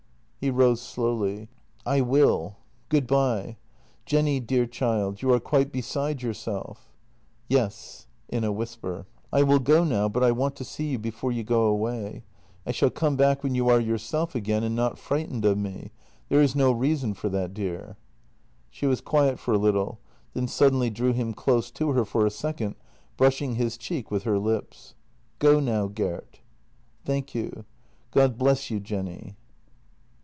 " He rose slowly: " I will. Good bye! Jenny, dear child, you are quite be side yourself." " Yes "— in a whisper. " I will go now, but I want to see you before you go aw r ay. I shall come back when you are yourself again and not fright ened of me; there is no reason for that, dear." She was quiet for a little, then suddenly drew him close to her for a second, brushing his cheek with her lips. " Go now, Gert." " Thank you. God bless you, Jenny."